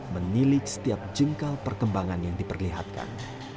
menilik setiap jengkal perkembangan yang diperlihatkan